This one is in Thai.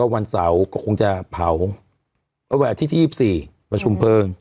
วันเสาร์ก็คงจะเผาแวะที่๒๔ประชุมเพิง